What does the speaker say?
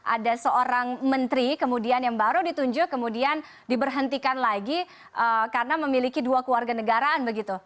ada seorang menteri kemudian yang baru ditunjuk kemudian diberhentikan lagi karena memiliki dua keluarga negaraan begitu